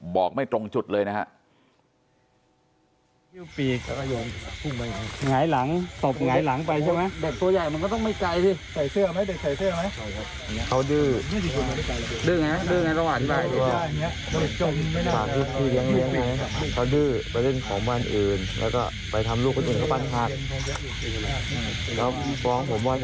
บอกไม่ตรงจุดเลยนะครับ